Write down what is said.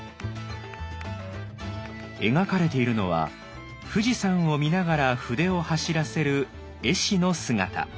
描かれているのは富士山を見ながら筆を走らせる絵師の姿。